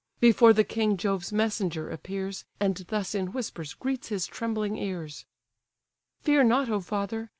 Before the king Jove's messenger appears, And thus in whispers greets his trembling ears: "Fear not, O father!